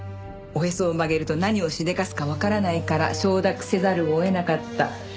おへそを曲げると何をしでかすかわからないから承諾せざるを得なかった。